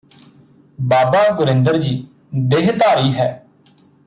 ਬਾਬਾ ਗੁਰਿੰਦਰ ਜੀ ਦੇਹ ਧਾਰੀ ਹੈ